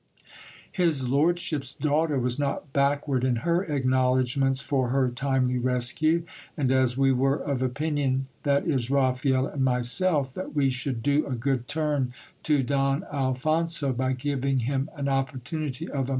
His lordship's daughter was not backward in her acknowledgments for her timely rescue ; and as we were of opinion, that is, Raphael and myself, that we should do a good turn to Don Alphonso by giving him an opportunity of a THE COUXT DE POLAX AXD SERAPHIXA RESCUED.